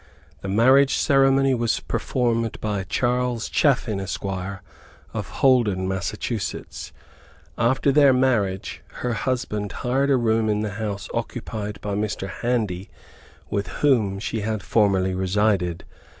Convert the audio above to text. The marriage ceremony was performed by Charles Chaffin, Esq., of Holden, Mass. After their marriage, her husband hired a room in the house occupied by Mr. Handy with whom she had formerly resided.